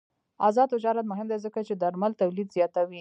آزاد تجارت مهم دی ځکه چې درمل تولید زیاتوي.